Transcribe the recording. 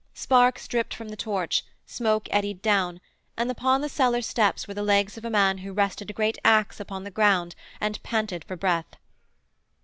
Sparks dripped from the torch, smoke eddied down, and upon the cellar steps were the legs of a man who rested a great axe upon the ground and panted for breath.